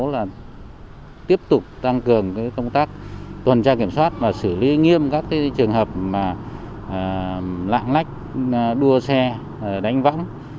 là tiếp tục tăng cường công tác tuần tra kiểm soát và xử lý nghiêm các trường hợp lạng lách đua xe đánh võng